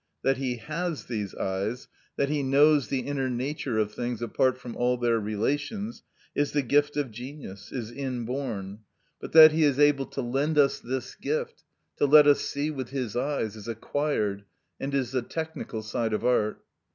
That he has these eyes, that he knows the inner nature of things apart from all their relations, is the gift of genius, is inborn; but that he is able to lend us this gift, to let us see with his eyes, is acquired, and is the technical side of art.